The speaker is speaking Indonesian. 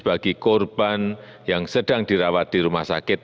bagi korban yang sedang dirawat di rumah sakit